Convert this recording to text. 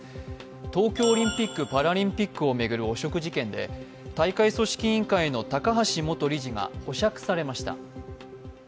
東京オリンピック・パラリンピックを巡る汚職事件で大会組織委員会の高橋元理事が保釈されました。